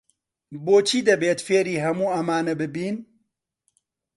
بۆچی دەبێت فێری هەموو ئەمانە ببین؟